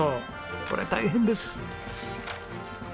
こりゃ大変です。